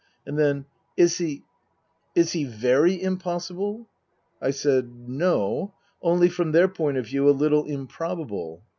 And then :" Is he is he very impossible ?" I said, No. Only from their point of view a little improbable.